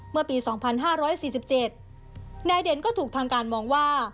เมื่อปี๒๕๔๗นายเด่นก็ถูกทางการมองว่า